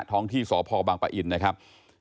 ท้องที่สพบังปะอินนะครับ